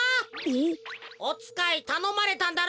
おつかいたのまれたんだろ？